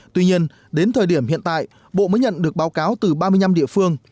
tuy nhiên đến thời điểm hiện tại bộ mới nhận được báo cáo từ ba mươi năm địa phương